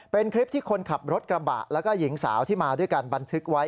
เป็นคลิปที่คนขับรถกระบะแล้วก็หญิงสาวที่มาด้วยกันบันทึกไว้